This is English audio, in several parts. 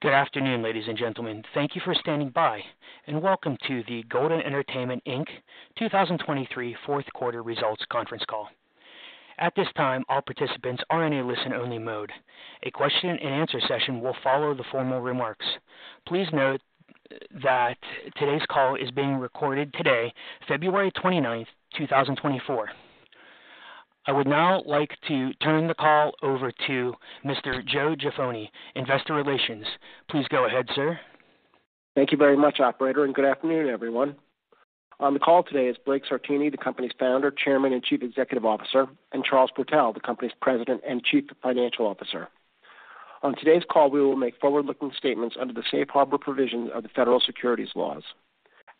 Good afternoon, ladies and gentlemen. Thank you for standing by, and welcome to the Golden Entertainment, Inc. 2023 Fourth Quarter Results Conference Call. At this time, all participants are in a listen-only mode. A question-and-answer session will follow the formal remarks. Please note that today's call is being recorded today, February 29, 2024. I would now like to turn the call over to Mr. Joe Jaffoni, Investor Relations. Please go ahead, sir. Thank you very much, operator, and good afternoon, everyone. On the call today is Blake Sartini, the company's Founder, Chairman, and Chief Executive Officer, and Charles Protell, the company's President and Chief Financial Officer. On today's call, we will make forward-looking statements under the safe harbor provisions of the Federal Securities laws.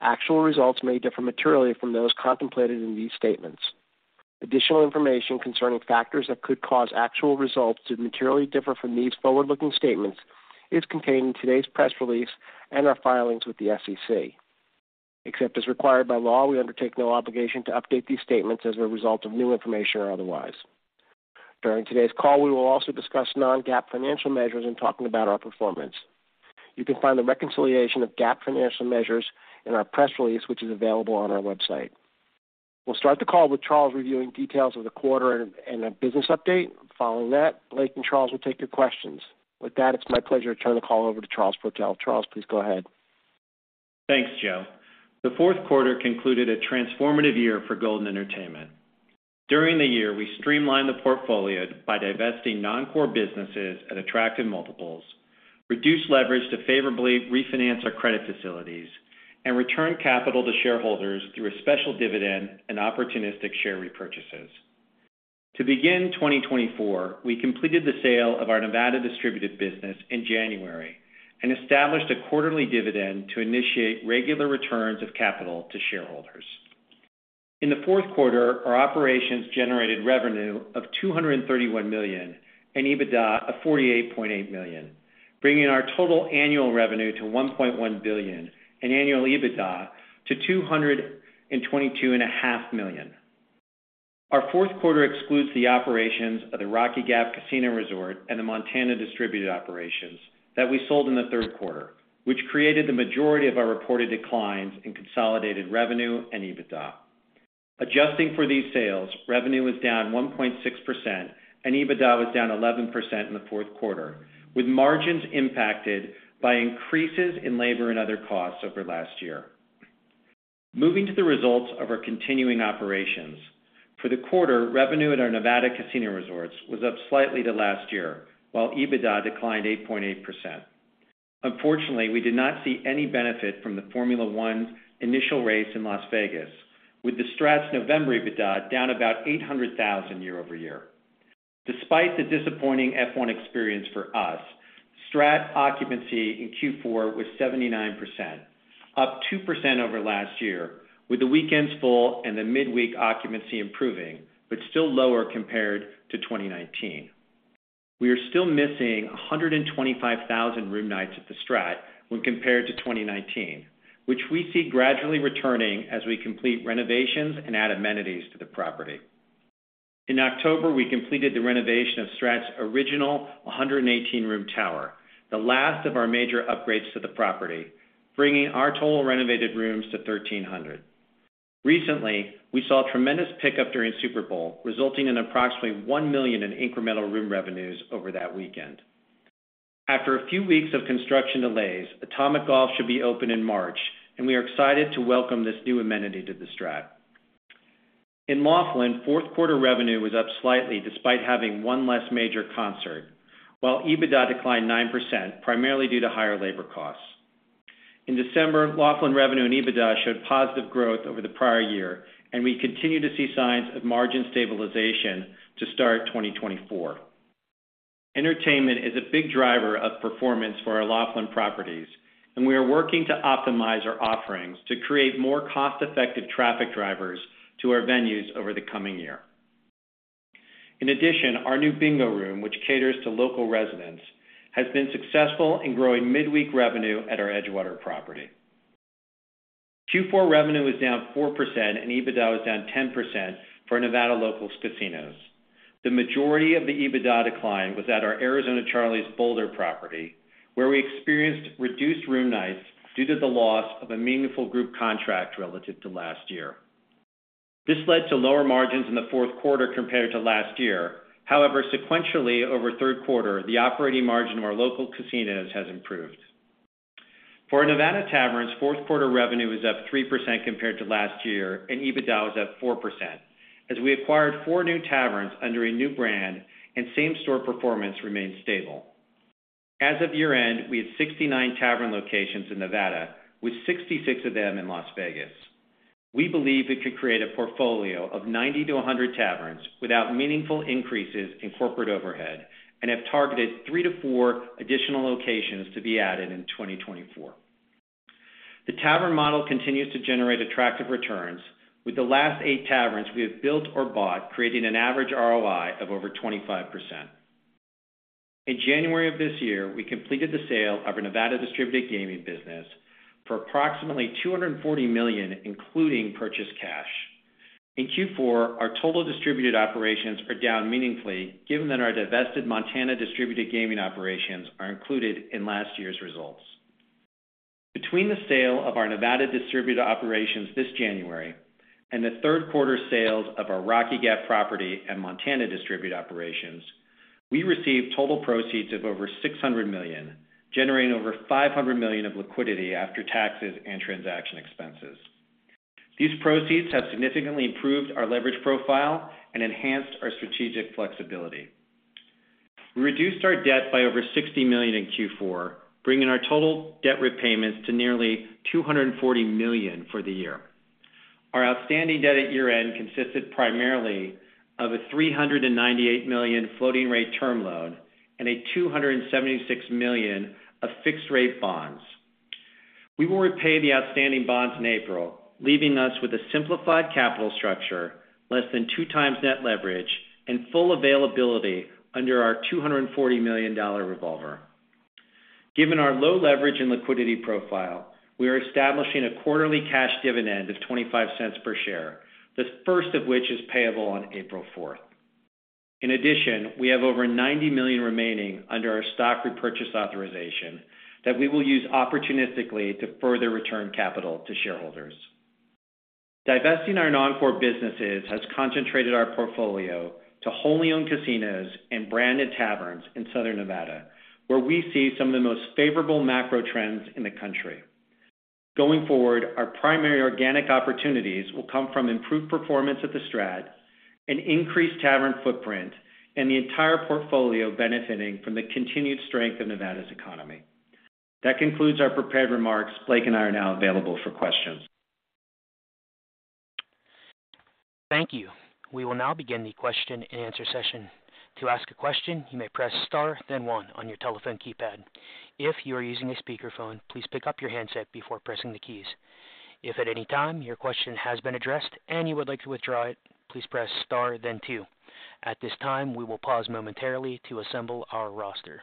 Actual results may differ materially from those contemplated in these statements. Additional information concerning factors that could cause actual results to materially differ from these forward-looking statements is contained in today's press release and our filings with the SEC. Except as required by law, we undertake no obligation to update these statements as a result of new information or otherwise. During today's call, we will also discuss non-GAAP financial measures in talking about our performance. You can find the reconciliation of GAAP financial measures in our press release, which is available on our website. We'll start the call with Charles reviewing details of the quarter and a business update. Following that, Blake and Charles will take your questions. With that, it's my pleasure to turn the call over to Charles Protell. Charles, please go ahead. Thanks, Joe. The fourth quarter concluded a transformative year for Golden Entertainment. During the year, we streamlined the portfolio by divesting non-core businesses at attractive multiples, reduced leverage to favorably refinance our credit facilities, and return capital to shareholders through a special dividend and opportunistic share repurchases. To begin 2024, we completed the sale of our Nevada distributed business in January and established a quarterly dividend to initiate regular returns of capital to shareholders. In the fourth quarter, our operations generated revenue of $231 million and EBITDA of $48.8 million, bringing our total annual revenue to $1.1 billion and annual EBITDA to $222.5 million. Our fourth quarter excludes the operations of the Rocky Gap Casino Resort and the Montana distributed operations that we sold in the third quarter, which created the majority of our reported declines in consolidated revenue and EBITDA. Adjusting for these sales, revenue was down 1.6%, and EBITDA was down 11% in the fourth quarter, with margins impacted by increases in labor and other costs over last year. Moving to the results of our continuing operations. For the quarter, revenue at our Nevada casino resorts was up slightly to last year, while EBITDA declined 8.8%. Unfortunately, we did not see any benefit from the Formula 1 initial race in Las Vegas, with the Strat's November EBITDA down about $800,000 year-over-year. Despite the disappointing F1 experience for us, Strat occupancy in Q4 was 79%, up 2% over last year, with the weekends full and the midweek occupancy improving, but still lower compared to 2019. We are still missing 125,000 room nights at the Strat when compared to 2019, which we see gradually returning as we complete renovations and add amenities to the property. In October, we completed the renovation of Strat's original 1,180-room tower, the last of our major upgrades to the property, bringing our total renovated rooms to 1,300. Recently, we saw a tremendous pickup during Super Bowl, resulting in approximately $1 million in incremental room revenues over that weekend. After a few weeks of construction delays, Atomic Golf should be open in March, and we are excited to welcome this new amenity to the Strat. In Laughlin, fourth quarter revenue was up slightly despite having one less major concert, while EBITDA declined 9%, primarily due to higher labor costs. In December, Laughlin revenue and EBITDA showed positive growth over the prior year, and we continue to see signs of margin stabilization to start 2024. Entertainment is a big driver of performance for our Laughlin properties, and we are working to optimize our offerings to create more cost-effective traffic drivers to our venues over the coming year. In addition, our new bingo room, which caters to local residents, has been successful in growing midweek revenue at our Edgewater property. Q4 revenue was down 4%, and EBITDA was down 10% for Nevada Locals casinos. The majority of the EBITDA decline was at our Arizona Charlie's Boulder property, where we experienced reduced room nights due to the loss of a meaningful group contract relative to last year. This led to lower margins in the fourth quarter compared to last year. However, sequentially, over third quarter, the operating margin of our local casinos has improved. For our Nevada Taverns, fourth quarter revenue was up 3% compared to last year, and EBITDA was up 4%, as we acquired four new taverns under a new brand, and same-store performance remained stable. As of year-end, we had 69 tavern locations in Nevada, with 66 of them in Las Vegas. We believe it could create a portfolio of 90-100 taverns without meaningful increases in corporate overhead and have targeted 3-4 additional locations to be added in 2024. The tavern model continues to generate attractive returns, with the last eight taverns we have built or bought creating an average ROI of over 25%. In January of this year, we completed the sale of our Nevada distributed gaming business for approximately $240 million, including purchased cash. In Q4, our total distributed operations are down meaningfully, given that our divested Montana distributed gaming operations are included in last year's results. Between the sale of our Nevada distributed operations this January and the third quarter sales of our Rocky Gap property and Montana distributed operations, we received total proceeds of over $600 million, generating over $500 million of liquidity after taxes and transaction expenses. These proceeds have significantly improved our leverage profile and enhanced our strategic flexibility. We reduced our debt by over $60 million in Q4, bringing our total debt repayments to nearly $240 million for the year. Our outstanding debt at year-end consisted primarily of a $398 million floating-rate term loan and $276 million of fixed-rate bonds. We will repay the outstanding bonds in April, leaving us with a simplified capital structure, less than 2 times net leverage, and full availability under our $240 million revolver. Given our low leverage and liquidity profile, we are establishing a quarterly cash dividend of $0.25 per share, the first of which is payable on April 4th. In addition, we have over $90 million remaining under our stock repurchase authorization that we will use opportunistically to further return capital to shareholders. Divesting our non-core businesses has concentrated our portfolio to wholly owned casinos and branded taverns in Southern Nevada, where we see some of the most favorable macro trends in the country. Going forward, our primary organic opportunities will come from improved performance at the Strat, an increased tavern footprint, and the entire portfolio benefiting from the continued strength of Nevada's economy. That concludes our prepared remarks. Blake and I are now available for questions. Thank you. We will now begin the question-and-answer session. To ask a question, you may press Star, then one on your telephone keypad. If you are using a speakerphone, please pick up your handset before pressing the keys. If at any time your question has been addressed and you would like to withdraw it, please press Star then two. At this time, we will pause momentarily to assemble our roster.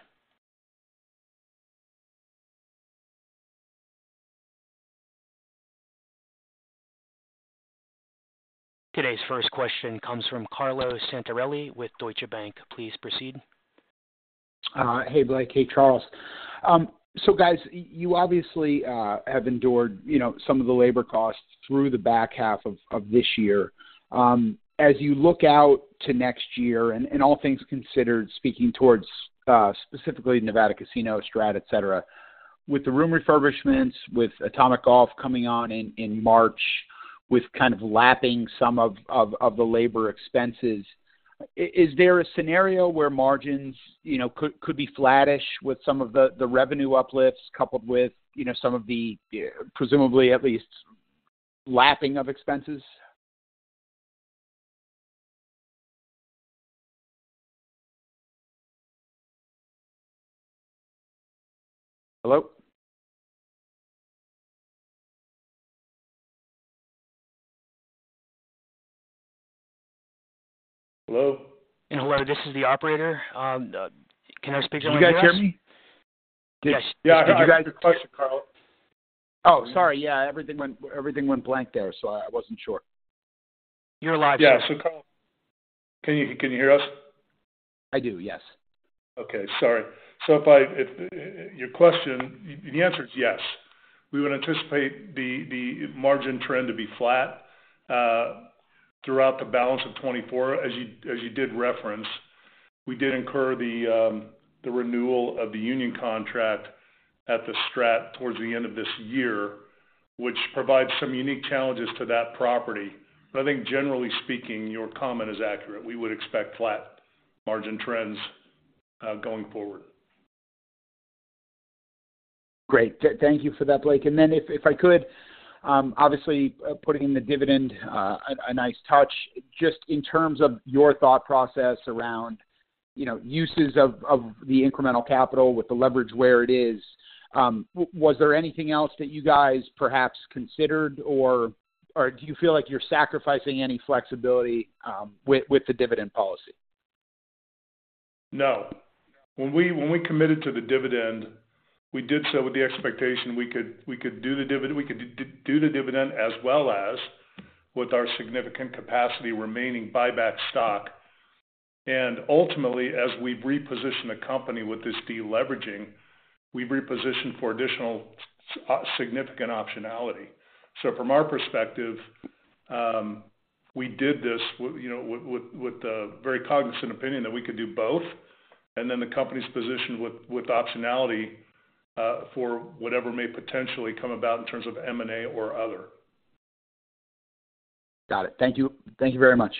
Today's first question comes from Carlo Santarelli with Deutsche Bank. Please proceed. Hey, Blake. Hey, Charles. So guys, you obviously have endured, you know, some of the labor costs through the back half of this year. As you look out to next year, and all things considered, speaking towards specifically Nevada casinos, Strat, et cetera, with the room refurbishments, with Atomic Golf coming on in March, with kind of lapping some of the labor expenses, is there a scenario where margins, you know, could be flattish with some of the revenue uplifts, coupled with, you know, some of the, presumably, at least, lapping of expenses? Hello? Hello? Hello, this is the operator. Can I speak to Do you guys hear me? Yes. Yeah, I heard your question, Carlo. Oh, sorry. Yeah, everything went, everything went blank there, so I, I wasn't sure. You're live. Yeah. So, Carlo, can you, can you hear us? I do, yes. Okay, sorry. So if your question, the answer is yes. We would anticipate the margin trend to be flat throughout the balance of 2024. As you did reference, we did incur the renewal of the union contract at the Strat towards the end of this year, which provides some unique challenges to that property. But I think generally speaking, your comment is accurate. We would expect flat margin trends going forward. Great. Thank you for that, Blake. And then if I could, obviously, putting in the dividend, a nice touch. Just in terms of your thought process around, you know, uses of the incremental capital with the leverage where it is, was there anything else that you guys perhaps considered, or do you feel like you're sacrificing any flexibility with the dividend policy? No. When we committed to the dividend, we did so with the expectation we could do the dividend as well as, with our significant capacity remaining, buy back stock. And ultimately, as we've repositioned the company with this deleveraging, we've repositioned for additional significant optionality. So from our perspective, we did this you know, with the very cognizant opinion that we could do both, and then the company's positioned with optionality for whatever may potentially come about in terms of M&A or other. Got it. Thank you. Thank you very much.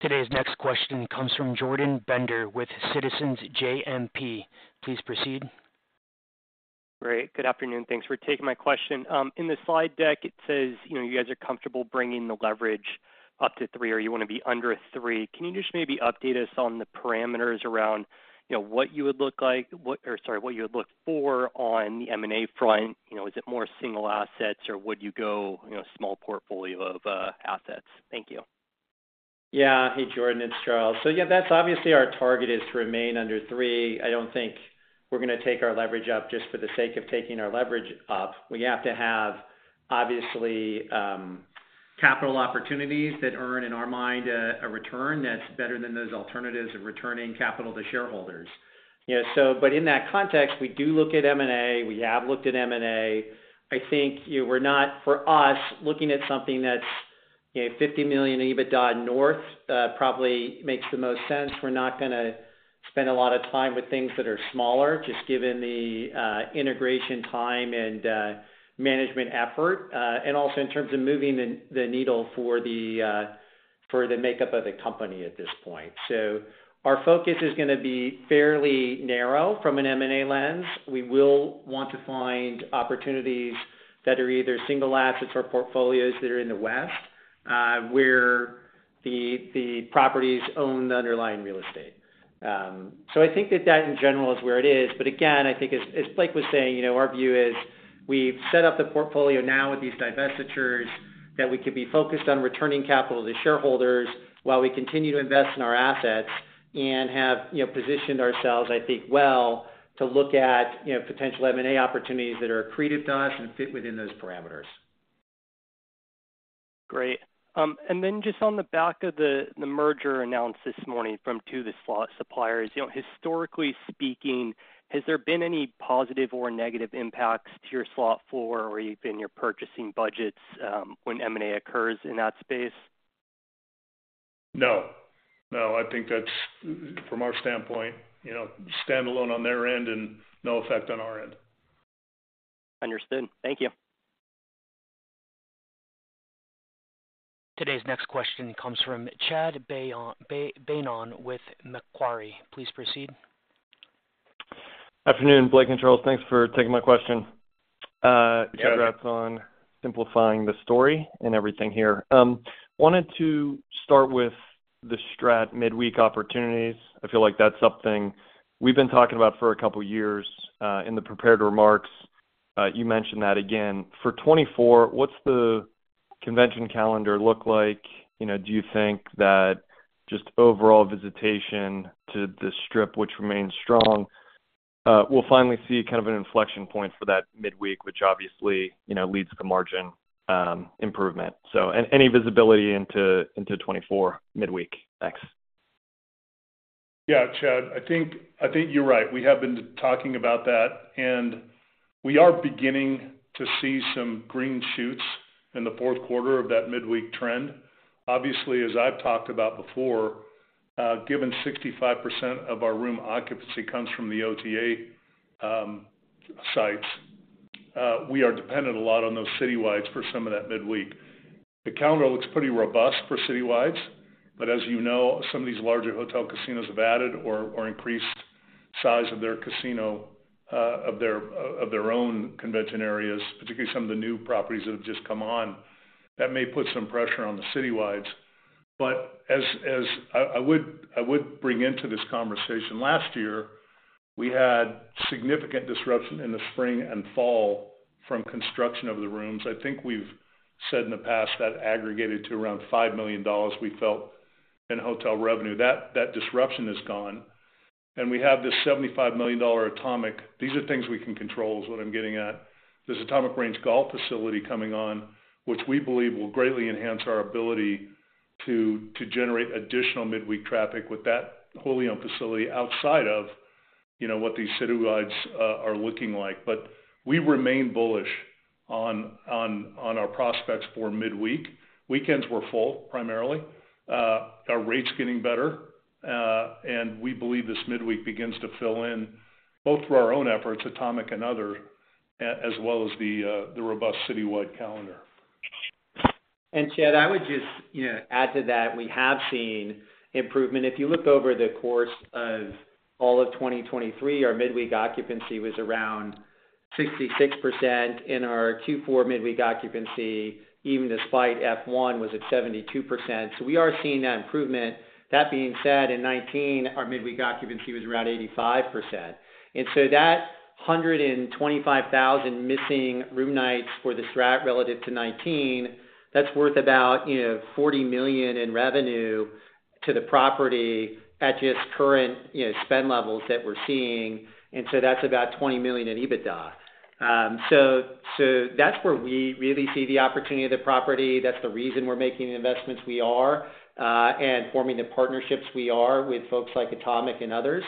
Today's next question comes from Jordan Bender with Citizens JMP. Please proceed. Great. Good afternoon. Thanks for taking my question. In the slide deck, it says, you know, you guys are comfortable bringing the leverage up to three, or you want to be under a three. Can you just maybe update us on the parameters around, you know, what you would look like, what, or sorry, what you would look for on the M&A front? You know, is it more single assets, or would you go, you know, small portfolio of, assets? Thank you. Yeah. Hey, Jordan, it's Charles. So yeah, that's obviously our target is to remain under three. I don't think we're going to take our leverage up just for the sake of taking our leverage up. We have to have, obviously, capital opportunities that earn, in our mind, a return that's better than those alternatives of returning capital to shareholders. You know, so but in that context, we do look at M&A. We have looked at M&A. I think, you know, we're not, for us, looking at something that's, you know, 50 million EBITDA north, probably makes the most sense. We're not gonna spend a lot of time with things that are smaller, just given the integration time and management effort, and also in terms of moving the needle for the makeup of the company at this point. So our focus is gonna be fairly narrow from an M&A lens. We will want to find opportunities that are either single assets or portfolios that are in the West, where the properties own the underlying real estate. So I think that, in general, is where it is. But again, I think as Blake was saying, you know, our view is we've set up the portfolio now with these divestitures, that we could be focused on returning capital to shareholders while we continue to invest in our assets and have, you know, positioned ourselves, I think, well to look at, you know, potential M&A opportunities that are accretive to us and fit within those parameters. Great. And then just on the back of the merger announced this morning from two of the slot suppliers. You know, historically speaking, has there been any positive or negative impacts to your slot floor or even your purchasing budgets, when M&A occurs in that space? No. No, I think that's, from our standpoint, you know, standalone on their end and no effect on our end. Understood. Thank you. Today's next question comes from Chad Beynon with Macquarie. Please proceed. Afternoon, Blake and Charles, thanks for taking my question. Yeah. Congrats on simplifying the story and everything here. Wanted to start with the Strat midweek opportunities. I feel like that's something we've been talking about for a couple years. In the prepared remarks, you mentioned that again. For 2024, what's the convention calendar look like? You know, do you think that just overall visitation to the Strip, which remains strong, we'll finally see kind of an inflection point for that midweek, which obviously, you know, leads to margin improvement. So any visibility into 2024 midweek? Thanks. Yeah, Chad, I think, I think you're right. We have been talking about that, and we are beginning to see some green shoots in the fourth quarter of that midweek trend. Obviously, as I've talked about before, given 65% of our room occupancy comes from the OTA sites, we are dependent a lot on those citywides for some of that midweek. The calendar looks pretty robust for citywides, but as you know, some of these larger hotel casinos have added or increased size of their casino of their own convention areas, particularly some of the new properties that have just come on. That may put some pressure on the citywides. But I would bring into this conversation, last year, we had significant disruption in the spring and fall from construction of the rooms. I think we've said in the past that aggregated to around $5 million, we felt, in hotel revenue. That disruption is gone, and we have this $75 million Atomic. These are things we can control, is what I'm getting at. This Atomic Golf facility coming on, which we believe will greatly enhance our ability to generate additional midweek traffic with that wholly owned facility outside of, you know, what these citywides are looking like. But we remain bullish on our prospects for midweek. Weekends were full, primarily. Our rate's getting better, and we believe this midweek begins to fill in, both through our own efforts, Atomic and others, as well as the robust citywide calendar. And Chad, I would just, you know, add to that, we have seen improvement. If you look over the course of all of 2023, our midweek occupancy was around 66%, and our Q4 midweek occupancy, even despite F1, was at 72%. So we are seeing that improvement. That being said, in 2019, our midweek occupancy was around 85%. And so that 125,000 missing room nights for the Strat relative to 2019, that's worth about, you know, $40 million in revenue to the property at just current, you know, spend levels that we're seeing, and so that's about $20 million in EBITDA. So that's where we really see the opportunity of the property. That's the reason we're making the investments we are, and forming the partnerships we are with folks like Atomic and others.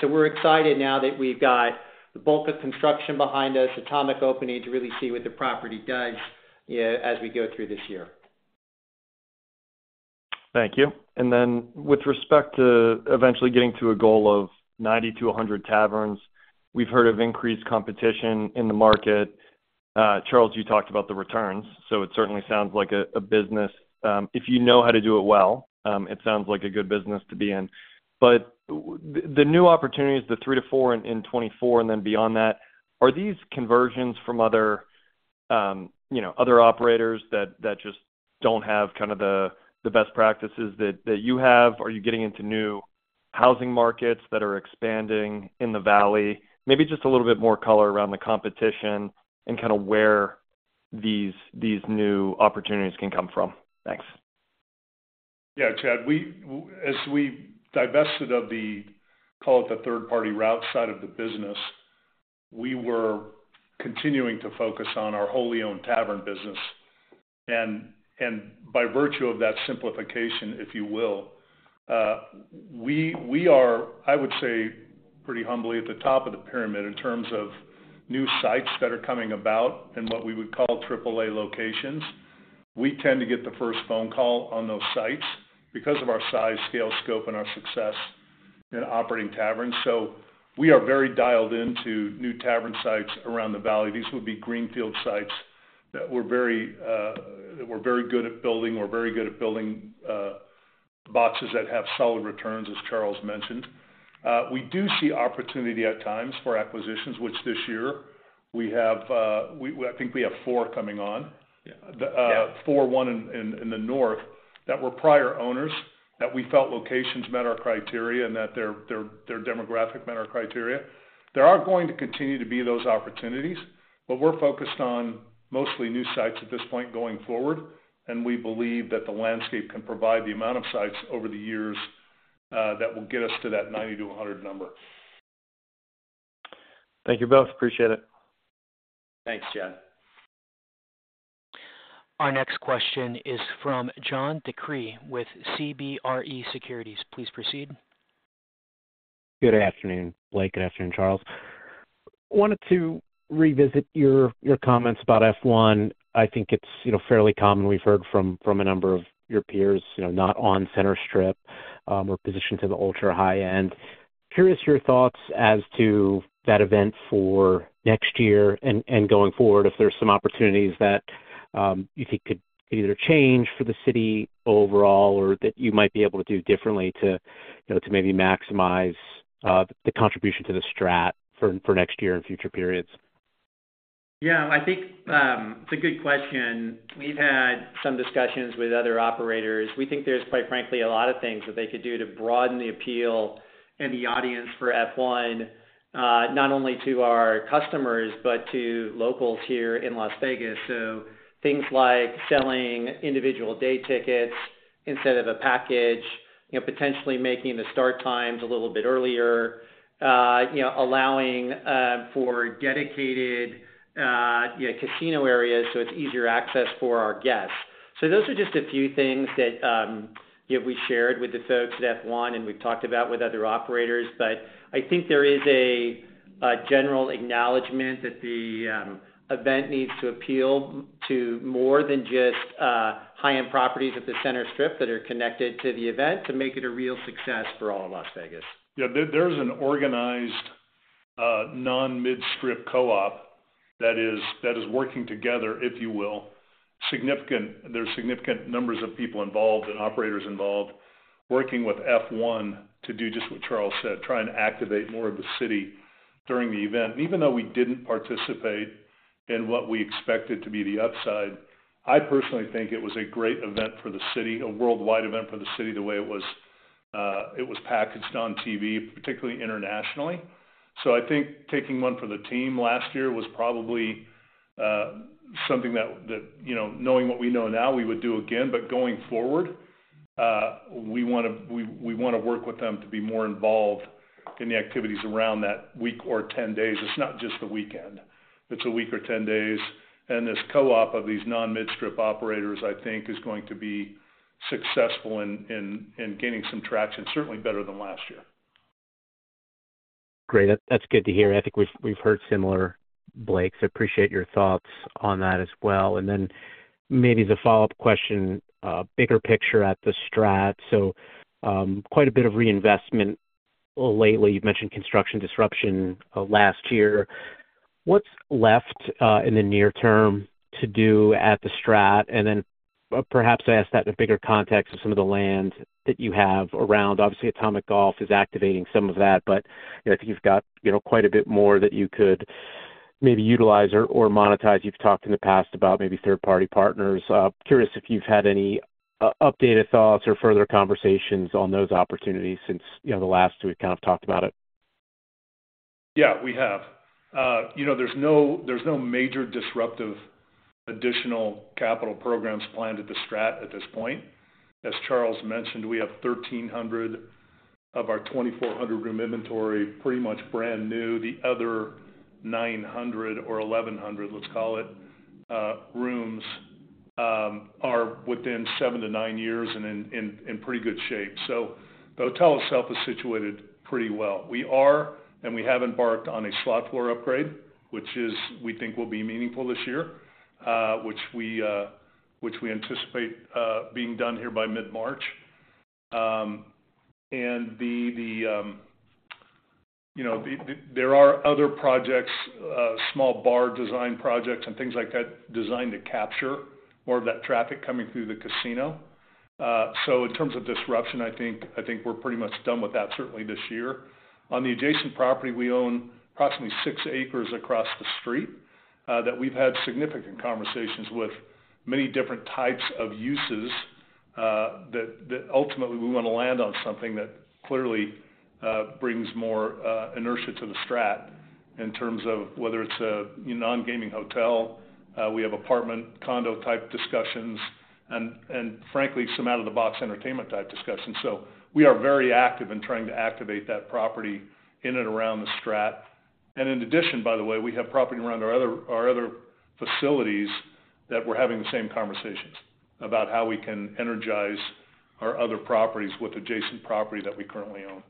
So we're excited now that we've got the bulk of construction behind us, Atomic opening, to really see what the property does, as we go through this year. Thank you. And then with respect to eventually getting to a goal of 90-100 Taverns, we've heard of increased competition in the market. Charles, you talked about the returns, so it certainly sounds like a business if you know how to do it well. It sounds like a good business to be in. But the new opportunities, the 3-4 in 2024 and then beyond that, are these conversions from other operators that just don't have kind of the best practices that you have? Are you getting into new housing markets that are expanding in the valley? Maybe just a little bit more color around the competition and kind of where these new opportunities can come from? Thanks. Yeah, Chad, as we divested of the, call it the third party route side of the business, we were continuing to focus on our wholly owned tavern business. And by virtue of that simplification, if you will, we are, I would say, pretty humbly at the top of the pyramid in terms of new sites that are coming about and what we would call AAA locations. We tend to get the first phone call on those sites because of our size, scale, scope, and our success in operating taverns. So we are very dialed into new tavern sites around the valley. These would be greenfield sites that we're very good at building boxes that have solid returns, as Charles mentioned. We do see opportunity at times for acquisitions, which this year we have, I think we have four coming on. Yeah. The 41 in the north that were prior owners that we felt locations met our criteria and that their demographic met our criteria. There are going to continue to be those opportunities, but we're focused on mostly new sites at this point going forward, and we believe that the landscape can provide the amount of sites over the years that will get us to that 90-100 number. Thank you both. Appreciate it. Thanks, Chad. Our next question is from John DeCree with CBRE Securities. Please proceed. Good afternoon, Blake. Good afternoon, Charles. Wanted to revisit your comments about F1. I think it's, you know, fairly common. We've heard from a number of your peers, you know, not on Center Strip, or positioned to the ultra high end. Curious your thoughts as to that event for next year and going forward, if there's some opportunities that you think could either change for the city overall or that you might be able to do differently to, you know, to maybe maximize the contribution to the Strat for next year and future periods? Yeah, I think it's a good question. We've had some discussions with other operators. We think there's, quite frankly, a lot of things that they could do to broaden the appeal and the audience for F1, not only to our customers, but to locals here in Las Vegas. So things like selling individual day tickets instead of a package, you know, potentially making the start times a little bit earlier, you know, allowing for dedicated, you know, casino areas, so it's easier access for our guests. So those are just a few things that, you know, we shared with the folks at F1, and we've talked about with other operators. But I think there is a general acknowledgment that the event needs to appeal to more than just high-end properties at the Center Strip that are connected to the event to make it a real success for all of Las Vegas. Yeah, there, there is an organized, non-Mid-Strip co-op that is, that is working together, if you will. There are significant numbers of people involved and operators involved, working with F1 to do just what Charles said, try and activate more of the city during the event. Even though we didn't participate in what we expected to be the upside, I personally think it was a great event for the city, a worldwide event for the city, the way it was, it was packaged on TV, particularly internationally. So I think taking one for the team last year was probably, something that, that, you know, knowing what we know now, we would do again. But going forward, we want to, we, we want to work with them to be more involved in the activities around that week or 10 days. It's not just the weekend. It's a week or 10 days, and this co-op of these non-Mid-Strip operators, I think, is going to be successful in gaining some traction, certainly better than last year. Great. That's, that's good to hear. I think we've, we've heard similar, Blake, so appreciate your thoughts on that as well. And then maybe the follow-up question, bigger picture at the Strat. So, quite a bit of reinvestment lately. You've mentioned construction disruption, last year. What's left, in the near term to do at the Strat? And then perhaps ask that in a bigger context of some of the land that you have around. Obviously, Atomic Golf is activating some of that, but, you know, I think you've got, you know, quite a bit more that you could maybe utilize or monetize. You've talked in the past about maybe third-party partners. Curious if you've had any updated thoughts or further conversations on those opportunities since, you know, the last we kind of talked about it. Yeah, we have. You know, there's no, there's no major disruptive, additional capital programs planned at the Strat at this point. As Charles mentioned, we have 1,300 of our 2,400 room inventory, pretty much brand new. The other 900 or 1,100, let's call it, rooms, are within 7-9 years and in, in, in pretty good shape. So the hotel itself is situated pretty well. We are, and we have embarked on a slot floor upgrade, which is, we think will be meaningful this year, which we, which we anticipate, being done here by mid-March. And you know, there are other projects, small bar design projects and things like that, designed to capture more of that traffic coming through the casino. So in terms of disruption, I think we're pretty much done with that, certainly this year. On the adjacent property, we own approximately six acres across the street that we've had significant conversations with many different types of uses that ultimately we want to land on something that clearly brings more inertia to the Strat in terms of whether it's a non-gaming hotel. We have apartment, condo-type discussions and frankly, some out-of-the-box entertainment-type discussions. So we are very active in trying to activate that property in and around the Strat. And in addition, by the way, we have property around our other facilities that we're having the same conversations about how we can energize our other properties with adjacent property that we currently own.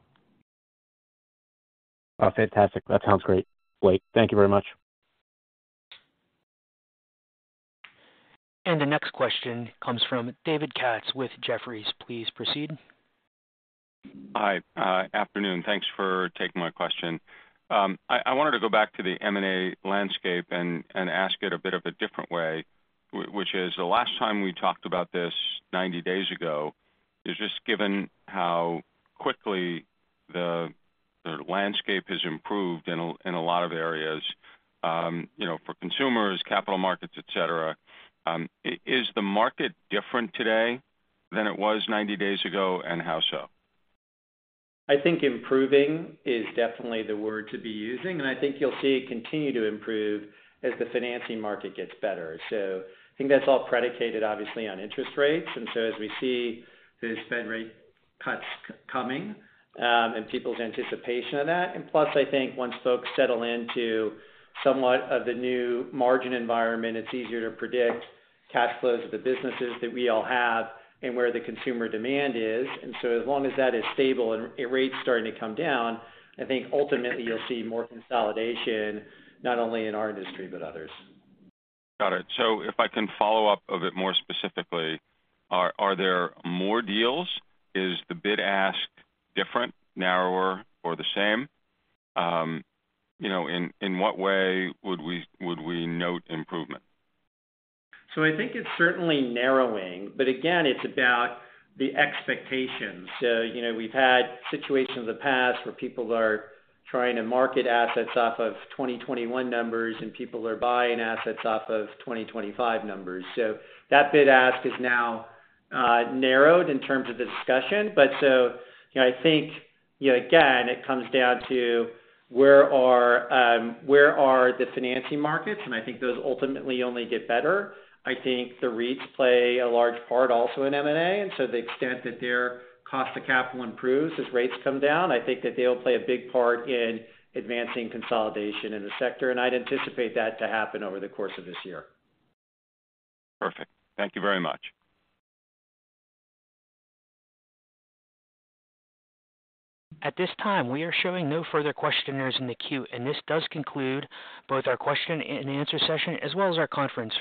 Fantastic. That sounds great, Blake. Thank you very much. The next question comes from David Katz with Jefferies. Please proceed. Hi, afternoon. Thanks for taking my question. I wanted to go back to the M&A landscape and ask it a bit of a different way, which is the last time we talked about this 90 days ago, is just given how quickly the landscape has improved in a lot of areas, you know, for consumers, capital markets, et cetera, is the market different today than it was 90 days ago, and how so? I think improving is definitely the word to be using, and I think you'll see it continue to improve as the financing market gets better. So I think that's all predicated, obviously, on interest rates. And so as we see those Fed rate cuts coming, and people's anticipation of that, and plus, I think once folks settle into somewhat of the new margin environment, it's easier to predict cash flows of the businesses that we all have and where the consumer demand is. And so as long as that is stable and rates starting to come down, I think ultimately you'll see more consolidation, not only in our industry, but others. Got it. So if I can follow up a bit more specifically, are there more deals? Is the bid-ask different, narrower, or the same? You know, in what way would we note improvement? So I think it's certainly narrowing, but again, it's about the expectations. So, you know, we've had situations in the past where people are trying to market assets off of 2021 numbers, and people are buying assets off of 2025 numbers. So that bid-ask is now narrowed in terms of the discussion. But so you know, I think, you know, again, it comes down to where are, where are the financing markets, and I think those ultimately only get better. I think the REITs play a large part also in M&A, and so the extent that their cost of capital improves as rates come down, I think that they'll play a big part in advancing consolidation in the sector, and I'd anticipate that to happen over the course of this year. Perfect. Thank you very much. At this time, we are showing no further questioners in the queue, and this does conclude both our question and answer session, as well as our conference.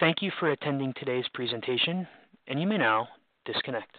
Thank you for attending today's presentation, and you may now disconnect.